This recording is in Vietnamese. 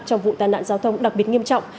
trong vụ tai nạn giao thông đặc biệt nghiêm trọng